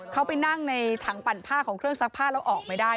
เขาไปนั่งในถังปั่นผ้าของเครื่องซักผ้าแล้วออกไม่ได้